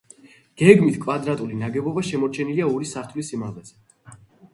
გეგმით კვადრატული ნაგებობა შემორჩენილია ორი სართულის სიმაღლეზე.